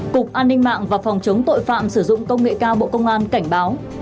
cục an ninh mạng và phòng chống tội phạm sử dụng công nghệ cao bộ công an cảnh báo